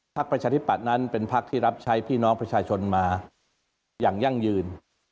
ประชาธิปัตย์นั้นเป็นพักที่รับใช้พี่น้องประชาชนมาอย่างยั่งยืน